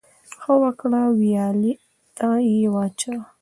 ـ ښه وکړه ، ويالې ته يې واچوه.